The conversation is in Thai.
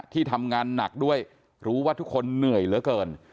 ที่ทำงานหนักด้วยรู้ว่าทุกคนเหนื่อยเหลือเกิน